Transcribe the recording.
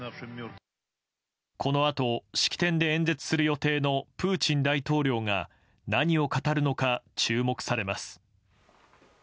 この後、式典で演説する予定のプーチン大統領が何を語るのか注目されます。